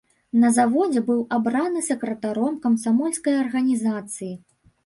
На заводзе быў абраны сакратаром камсамольскай арганізацыі.